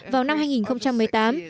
vào năm hai nghìn một mươi tám